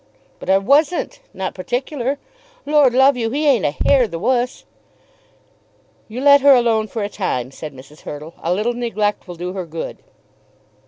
"But I wasn't; not particular. Lord love you, he ain't a hair the wuss." "You let her alone for a time," said Mrs. Hurtle. "A little neglect will do her good."